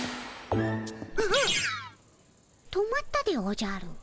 止まったでおじゃる。